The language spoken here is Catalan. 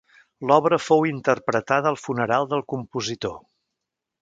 L'obra fou interpretada al funeral del compositor.